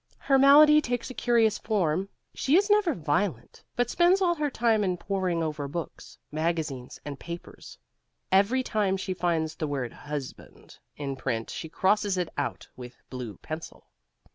Her malady takes a curious form: she is never violent, but spends all her time in poring over books, magazines and papers. Every time she finds the word HUSBAND in print she crosses it out with blue pencil.